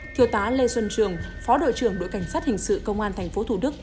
thiêu tá lê xuân trường phó đội trưởng đội cảnh sát hình sự công an tp hcm